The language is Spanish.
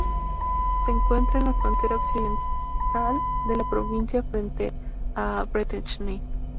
Se encuentra en la frontera occidental de la provincia, frente a Bretagne.